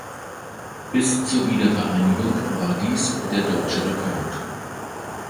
Bis zur Wiedervereinigung war dies der deutsche Rekord.